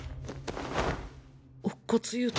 乙骨憂太。